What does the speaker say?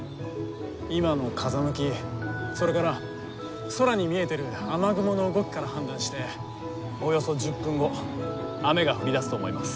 今の風向きそれから空に見えてる雨雲の動きから判断しておよそ１０分後雨が降りだすと思います。